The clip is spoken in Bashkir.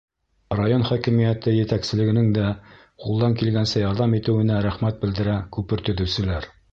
Район хакимиәте етәкселегенең дә ҡулдан килгәнсә ярҙам итеүенә рәхмәт белдерә күпер төҙөүселәр.